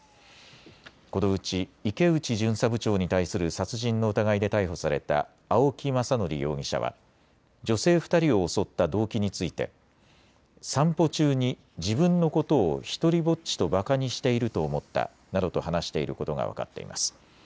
このうち池内巡査部長に対する殺人の疑いで逮捕された青木政憲容疑者は女性２人を襲った動機について散歩中に自分のことを独りぼっちとばかにしていると思ったなどと話していることが分かっています。